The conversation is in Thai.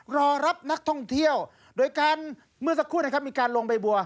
รอรับนักท่องเที่ยวโดยการเมื่อสักครู่นะครับมีการลงใบบัว